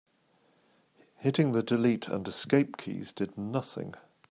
Hitting the delete and escape keys did nothing.